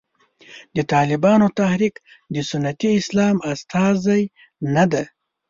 د طالبانو تحریک د سنتي اسلام استازی نه دی.